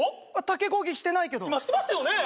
タケ攻撃してないけど今してましたよね？